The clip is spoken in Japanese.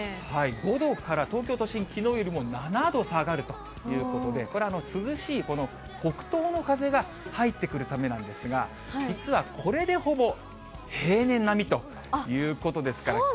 ５度から、東京都心、きのうよりも７度下がるということで、これ、涼しい北東の風が入ってくるためなんですが、実はこれでほぼ平年並みということですから。